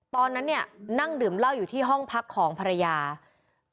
ตอนนั้นเนี่ยนั่งดื่มเหล้าอยู่ที่ห้องพักของภรรยา